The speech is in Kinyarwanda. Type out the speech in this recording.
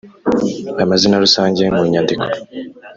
. Amazina rusange mu nyandiko